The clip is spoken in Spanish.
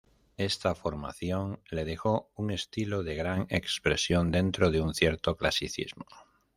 Esta formación le dejó un estilo de gran expresión dentro de un cierto clasicismo.